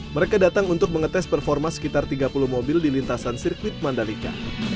mereka datang untuk mengetes performa sekitar tiga puluh mobil di lintasan sirkuit mandalika